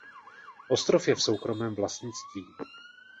Ostrov je v soukromém vlastnictví.